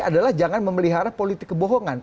adalah jangan memelihara politik kebohongan